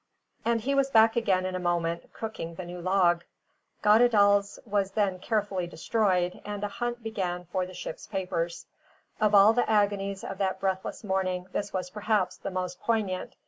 And he was back again in a moment, cooking the new log. Goddedaal's was then carefully destroyed, and a hunt began for the ship's papers. Of all the agonies of that breathless morning, this was perhaps the most poignant.